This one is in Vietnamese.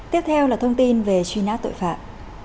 tiếp theo là thông tin về truy nã tội phạm